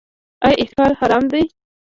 آیا احتکار حرام دی؟